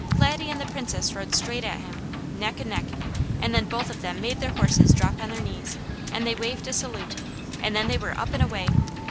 Laddie and the Princess rode straight at him, neck and neck, and then both of them made their horses drop on their knees and they waved a salute, and then they were up and away.